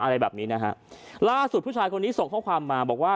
อะไรแบบนี้นะฮะล่าสุดผู้ชายคนนี้ส่งข้อความมาบอกว่า